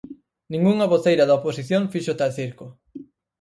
Ningunha voceira da oposición fixo tal circo.